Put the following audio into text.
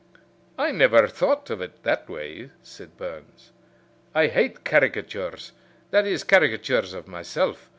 "I never thought of it in that way," said Burns. "I hate caricatures that is, caricatures of myself.